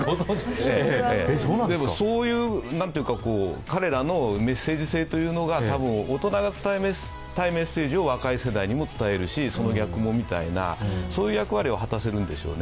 でも、そういう彼らのメッセージ性っていうのが多分、大人が伝えたいメッセージを若い世代に伝えるしその逆も、みたいなそういう役割を果たせるんでしょうね。